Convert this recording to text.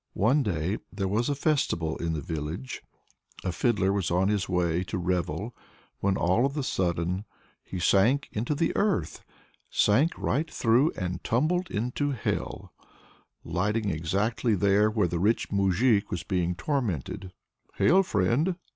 One day there was a festival in the village. A fiddler was on his way to the revel when, all of a sudden, he sank into the earth sank right through and tumbled into hell, lighting exactly there where the rich moujik was being tormented. "Hail, friend!"